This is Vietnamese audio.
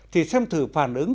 thì xem thử phản ứng